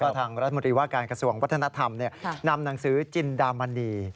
ทางรัฐมนตรีว่าการกระทรวงวัฒนธรรมนำหนังสือจินดามณี